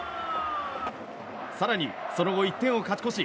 更にその後、１点を勝ち越し